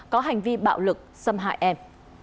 có hành vi bạo lực xâm hại em